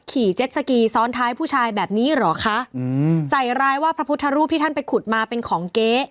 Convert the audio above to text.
เจ็ดสกีซ้อนท้ายผู้ชายแบบนี้เหรอคะอืมใส่ร้ายว่าพระพุทธรูปที่ท่านไปขุดมาเป็นของเก๊